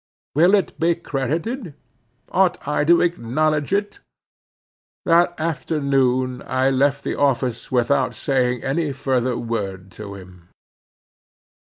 Will it be credited? Ought I to acknowledge it? That afternoon I left the office without saying one further word to him.